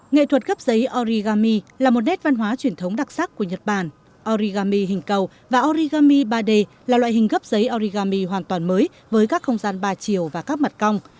nghệ thuật gấp giấy origami là một nét văn hóa truyền thống đặc sắc của nhật bản origami hình cầu và origami ba d là loại hình gấp giấy origami hoàn toàn mới với các không gian ba chiều và các mặt cong